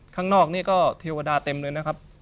ข้างนอกนี่ก็เทวดาเต็มเลยนะครับ